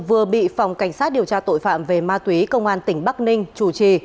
vừa bị phòng cảnh sát điều tra tội phạm về ma túy công an tỉnh bắc ninh chủ trì